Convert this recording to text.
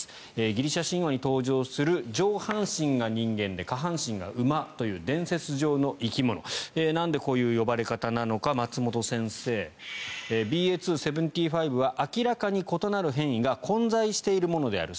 ギリシャ神話に登場する上半身が人間で下半身が馬という伝説上の生き物なんで、こういう呼ばれ方なのか松本先生ＢＡ．２．７５は明らかに異なる変異が混在しているものである。